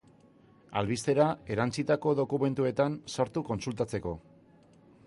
Albistera erantsitako dokumentuetan sartu kontsultatzeko.